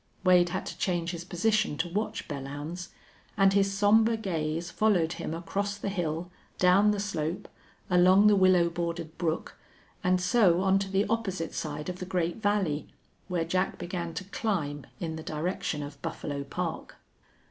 Wade had to change his position to watch Belllounds, and his somber gaze followed him across the hill, down the slope, along the willow bordered brook, and so on to the opposite side of the great valley, where Jack began to climb in the direction of Buffalo Park.